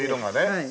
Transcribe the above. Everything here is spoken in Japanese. はい。